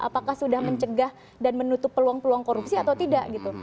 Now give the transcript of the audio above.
apakah sudah mencegah dan menutup peluang peluang korupsi atau tidak gitu